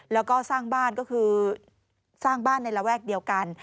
แล้วก็สร้างบ้านก็คือสร้างบ้านในระแวกเดียวกัน